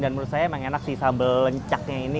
dan menurut saya emang enak sih sambal lencaknya ini